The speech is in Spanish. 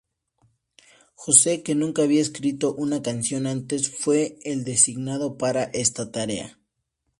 Jose que nunca había escrito una canción antes, fue el designado para esta tarea.